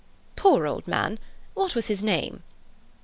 "Poor old man! What was his name?"